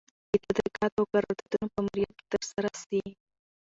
د تدارکاتو او قراردادونو په امریت کي ترسره سي.